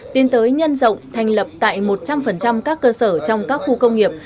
tiến tới nhân rộng thành lập tại một trăm linh các cơ sở trong các khu công nghiệp